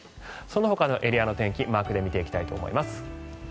そのほかのエリアの天気マークで見ていきたいと思います。